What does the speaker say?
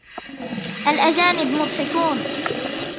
الأجانب مضحكون.